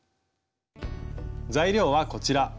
材料はこちら。